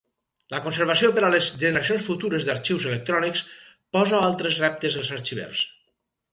La conservació per a les generacions futures d'arxius electrònics, posa altres reptes als arxivers.